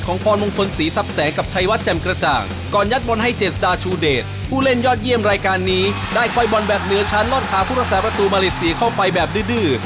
การลดขาพุทธศาสตร์ประตูมาเลเซียเข้าไปแบบดื้อ